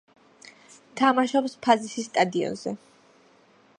თამაშობს „ფაზისის“ სტადიონზე.